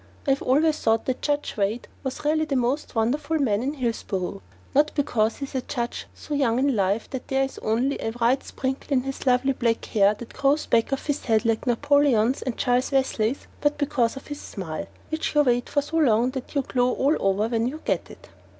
I have always thought that Judge Wade was really the most wonderful man in Hillsboro, not because he is a judge so young in life that there is only a white sprinkle in his lovely black hair that grows back off his head like Napoleon's and Charles Wesley's, but because of his smile, which you wait for so long that you glow all over when you get it.